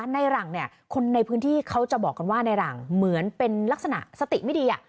ในหลังเนี่ยคนในพื้นที่เขาจะบอกกันว่าในหลังเหมือนเป็นลักษณะสติไม่ดี